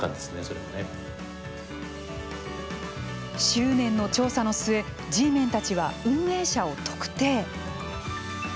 執念の調査の末Ｇメンたちは運営者を特定。